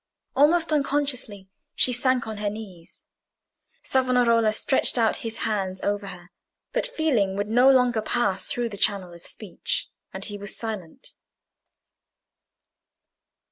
Almost unconsciously she sank on her knees. Savonarola stretched out his hands over her; but feeling would no longer pass through the channel of speech, and he was silent.